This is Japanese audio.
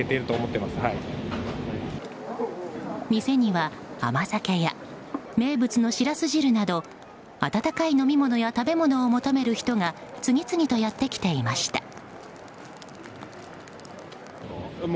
店には甘酒や名物のシラス汁など温かい飲み物や食べ物を求める人が次々とやってきていました。